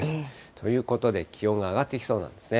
ということで気温が上がっていきそうなんですね。